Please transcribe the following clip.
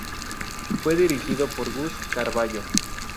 Fue dirigido por Gus Carballo.